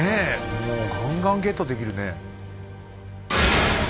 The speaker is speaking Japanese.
もうガンガンゲットできるね。